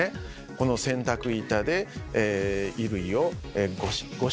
この洗濯板で衣類をゴシゴシとこすると。